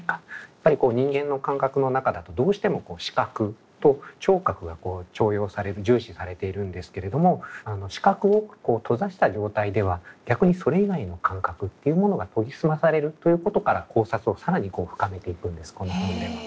やっぱり人間の感覚の中だとどうしても視覚と聴覚が重用される重視されているんですけれども視覚を閉ざした状態では逆にそれ以外の感覚っていうものが研ぎ澄まされるということから考察を更に深めていくんですこの本では。